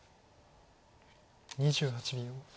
２８秒。